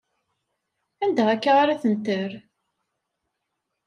Anda akka ara tent err?